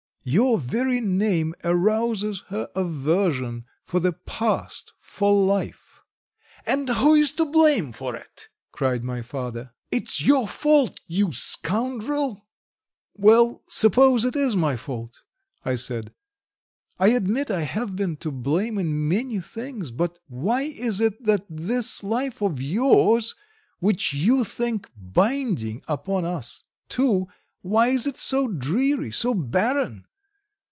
Your very name arouses her aversion for the past, for life." "And who is to blame for it?" cried my father. "It's your fault, you scoundrel!" "Well, suppose it is my fault?" I said. "I admit I have been to blame in many things, but why is it that this life of yours, which you think binding upon us, too why is it so dreary, so barren?